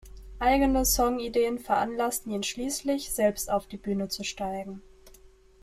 Eigene Songideen veranlassten ihn schließlich, selbst auf die Bühne zu steigen.